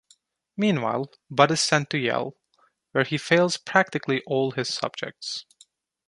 Meanwhile, Bud is sent to Yale, where he fails practically all his subjects.